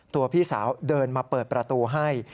พี่สาวเดินมาเปิดประตูให้